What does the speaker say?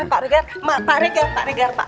pak regar pak regar pak regar